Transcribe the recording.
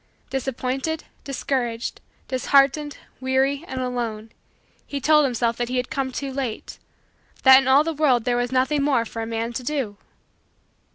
Disappointed, discouraged, disheartened, weary and alone, he told himself that he had come too late that in all the world there was nothing more for a man to do.